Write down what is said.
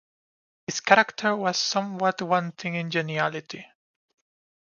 His character was somewhat wanting in geniality.